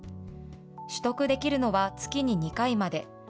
取得できるのは月に２回まで。